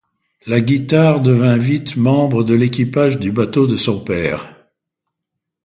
La guitare devint vite membre de l'équipage du bateau de son père.